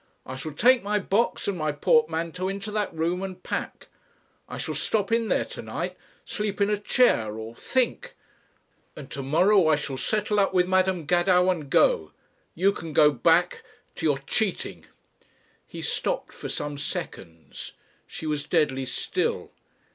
I shall take my box and my portmanteau into that room and pack. I shall stop in there to night, sleep in a chair or think. And to morrow I shall settle up with Madam Gadow and go. You can go back ... to your cheating." He stopped for some seconds. She was deadly still.